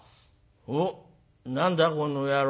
「おう何だこの野郎。